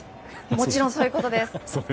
もちろんそういうことです。